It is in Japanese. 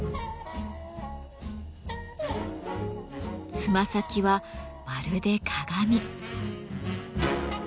つま先はまるで鏡。